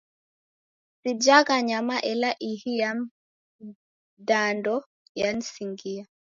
Sijagha nyama ela ihi ya mdando yanisingia.